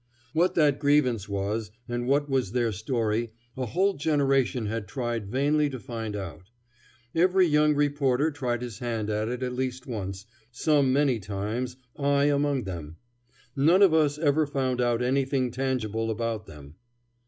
What that grievance was, and what was their story, a whole generation had tried vainly to find out. Every young reporter tried his hand at it at least once, some many times, I among them. None of us ever found out anything tangible about them.